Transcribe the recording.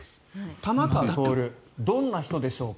玉川徹はどんな人でしょうか。